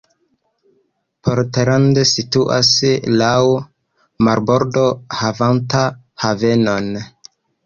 Portland situas laŭ marbordo havanta havenon.